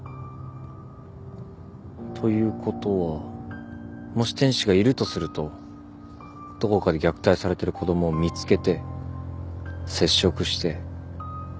ということはもし天使がいるとするとどこかで虐待されてる子供を見つけて接触して決めさせる。